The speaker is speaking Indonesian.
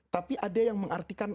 tapi ada yang mengartikan